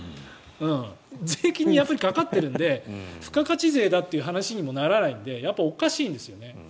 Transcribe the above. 税金にかかっているので付加価値税だという話にもならないのでやっぱりおかしいんですよね。